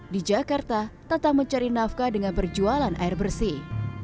di jakarta tak mencari nafkah dengan perjualan air bersih